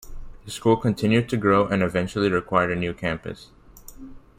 The school continued to grow and eventually required a new campus.